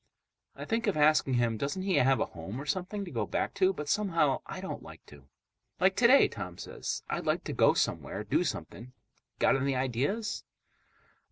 I think of asking him doesn't he have a home or something to go back to, but somehow I don't like to. "Like today," Tom says. "I'd like to go somewhere. Do something. Got any ideas?"